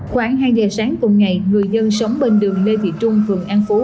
khoảng hai giờ sáng cùng ngày người dân sống bên đường lê thị trung phường an phú